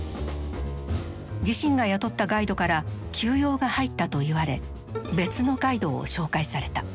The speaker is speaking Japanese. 自身が雇ったガイドから急用が入ったと言われ別のガイドを紹介された。